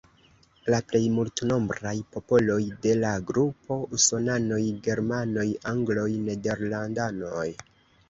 La plej multnombraj popoloj de la grupo: Usonanoj, Germanoj, Angloj, Nederlandanoj.